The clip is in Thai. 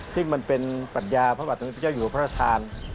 ซึ่งมันเป็นปัญญาพระบาทมนตร์พระเจ้าอยู่พระธาน